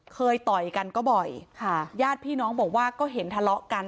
ต่อยกันก็บ่อยค่ะญาติพี่น้องบอกว่าก็เห็นทะเลาะกัน